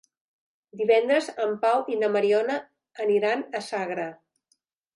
Divendres en Pau i na Mariona iran a Sagra.